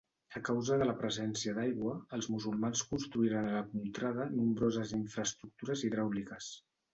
A causa de la presència d'aigua, els musulmans construïren a la contrada nombroses infraestructures hidràuliques.